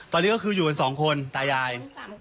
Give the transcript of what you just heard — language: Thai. ตอนนี้ก็คืออยู่กันสองคนตายาย